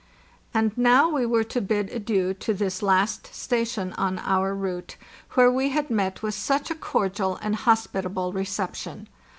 And now we were to bid adieu to this last station on our route, where we had met with such a cordial and hospitable reception.